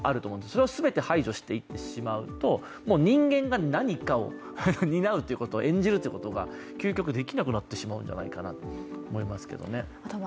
それを全て排除していってしまうと、人間が何かを担う、演じるということが究極、できなくなってしまうんじゃないかなと思いますけどね。